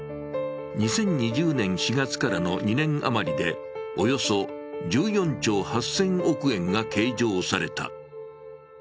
２０２０年４月からの２年余りでおよそ１４兆８０００億円が計上された。